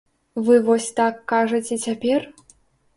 Вы вось так кажаце цяпер?